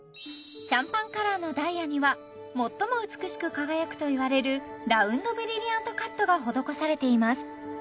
シャンパンカラーのダイヤには最も美しく輝くといわれるラウンドブリリアントカットが施されています